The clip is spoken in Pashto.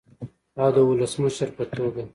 او د ولسمشر په توګه